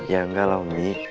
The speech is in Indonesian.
ya enggak lah umi